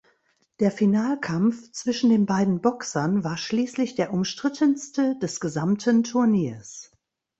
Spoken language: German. Der Finalkampf zwischen den beiden Boxern war schließlich der umstrittenste des gesamten Turniers.